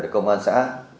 công an xã